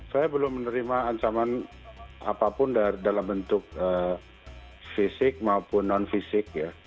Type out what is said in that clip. saya belum menerima ancaman apapun dalam bentuk fisik maupun non fisik ya